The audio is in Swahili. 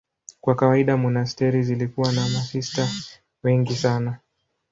Kwa kawaida monasteri zilikuwa na masista wengi sana.